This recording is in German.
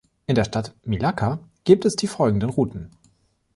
In der Stadt Milaca gibt es die folgenden Routen.